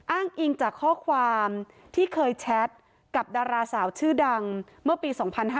อ้างอิงจากข้อความที่เคยแชทกับดาราสาวชื่อดังเมื่อปี๒๕๕๙